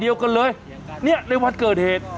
มีผู้ชายคนหนึ่งเป็นชาวเมียนมาเดินเข้ามาในซอย